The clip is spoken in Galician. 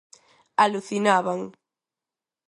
Alucinaban.